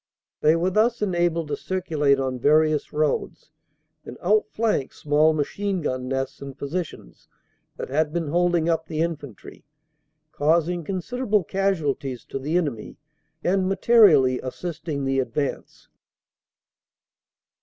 They were thus 352 CANADA S HUNDRED DAYS enabled to circulate on various roads, and outflank small machine gun nests and positions that had been holding up the infantry, causing considerable casualties to the enemy and materially assisting the advance.